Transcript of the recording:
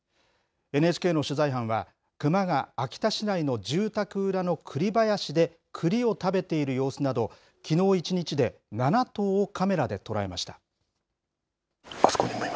ＮＨＫの取材班は、クマが秋田市内の住宅裏のくり林でくりを食べている様子など、きのう一日で７頭をカメラで捉えました。